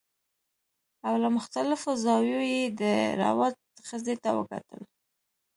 او له مختلفو زاویو یې د روات ښځې ته وکتل